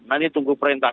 nanti tunggu perintah